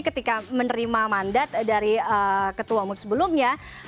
ketika menerima mandat dari ketua umum sebelumnya